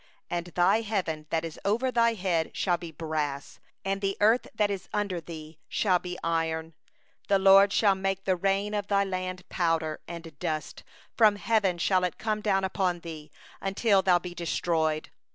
23And thy heaven that is over thy head shall be brass, and the earth that is under thee shall be iron. 24The LORD will make the rain of thy land powder and dust; from heaven shall it come down upon thee, until thou be destroyed.